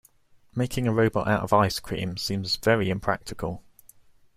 Making a robot out of ice cream seems very impractical.